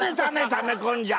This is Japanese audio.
ため込んじゃ！